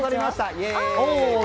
イエーイ！